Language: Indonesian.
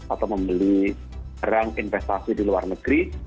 atau membeli barang investasi di luar negeri